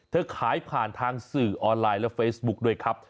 ขายผ่านทางสื่อออนไลน์และเฟซบุ๊คด้วยครับ